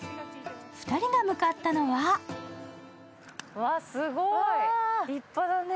２人が向かったのはうわ、すごい、立派だね。